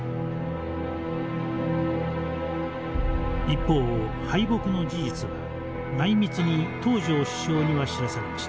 一方敗北の事実は内密に東条首相には知らされました。